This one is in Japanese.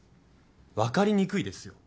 わかりにくいですよ。